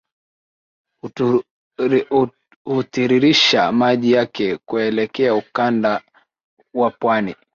hutiririsha maji yake kuelekea ukanda wa pwani